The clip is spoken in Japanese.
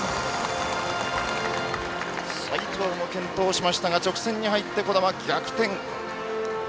齋藤も健闘しましたが直線に入って兒玉、逆転。